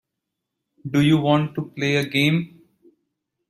Do you want to play a game.